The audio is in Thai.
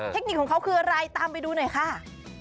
เทคนิคของเขาคืออะไรตามไปดูหน่อยค่ะ